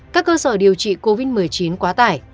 các cơ sở điều trị covid một mươi chín quá tải